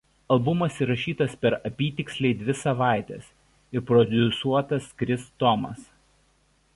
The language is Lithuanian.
Albumas įrašytas per apytiksliai dvi savaites ir prodiusuotas Chris Thomas.